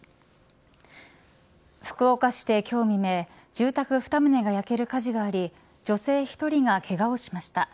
福岡市で今日未明住宅２棟が焼ける火事があり女性１人がけがをしました。